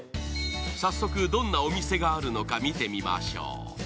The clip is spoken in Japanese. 早速、どんなお店があるのか見てみましょう。